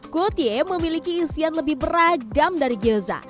kue tie memiliki isian lebih beragam dari gyoza